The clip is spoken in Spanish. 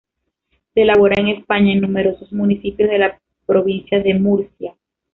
Se elabora en España, en numerosos municipios de la provincia de Murcia.